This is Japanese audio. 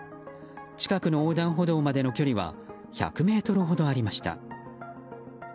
近くの横断歩道までの距離は１００ｍほどありました。